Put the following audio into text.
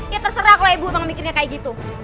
ya terserah kalau ibu emang mikirnya kayak gitu